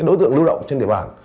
đối tượng lưu động trên địa bàn